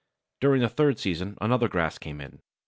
During the third season another grass came in.